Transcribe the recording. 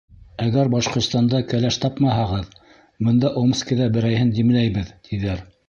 Әгәр Башҡортостанда кәләш тапмаһағыҙ, бында Омскиҙа берәйһен димләйбеҙ, тиҙәр.